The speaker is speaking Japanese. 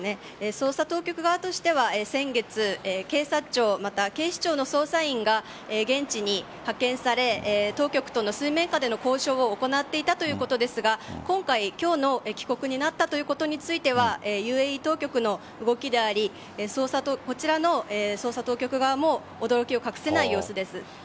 捜査当局側としては先月警察庁、また警視庁の捜査員が現地に派遣され当局との水面下での交渉を行っていたということですが今回、今日の帰国になったということについてはＵＡＥ当局の動きでありこちらの捜査当局側も驚きを隠せない様子です。